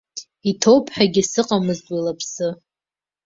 Иҭоупҳәагьы сыҟамызт уи лыԥсы.